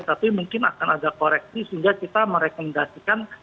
tapi mungkin akan ada koreksi sehingga kita merekomendasikan